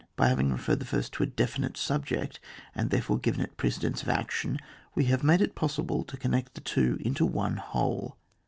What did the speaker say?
By having referred the first to a definite subject, and therefore given it precedence of action^ we have made it possible to connect the two into one whole.